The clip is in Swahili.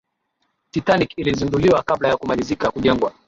titanic ilizinduliwa kabla ya kumalizika kujengwa